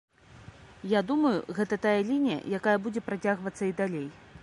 Я думаю, гэта тая лінія, якая будзе працягвацца і далей.